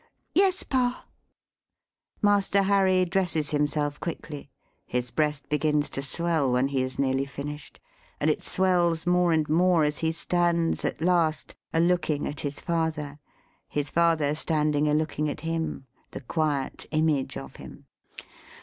"Yes, pa." Master Harry dresses himself quickly. His breast begins to swell when he has nearly finished, and it swells more and more as he stands, at last, a looking at his father: his father standing a looking at him, the quiet image of him.